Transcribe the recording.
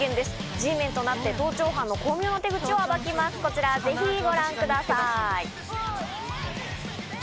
Ｇメンとなって巧妙な手口を暴きます、ぜひご覧ください。